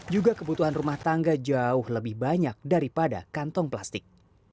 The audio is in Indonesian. juga kebutuhan rumah tangga jauh lebih banyak daripada kantong plastik